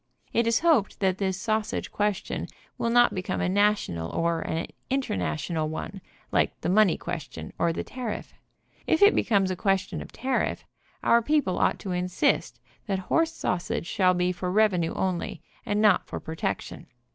It is hoped that this sausage question will not be Bi meatallic Sausage. come a national or an international one, like the money question, or the tariff. If it becomes a question of tariff, our people ought to insist that horse sausage shall be for revenue only, and not for pro tection.